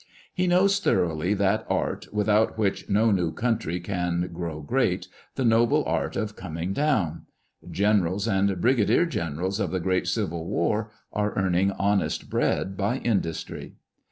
He knows thoroughly that art, without which no new country can grow great — the noble art of " coming down." Generals and brigadier generals of the great civil war are earning honest bread by industry.